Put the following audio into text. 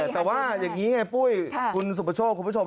แต่ว่าอย่างนี้ไงปุ้ยคุณสุประโชคคุณผู้ชม